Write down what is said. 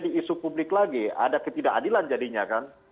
kalau dihukum publik lagi ada ketidakadilan jadinya kan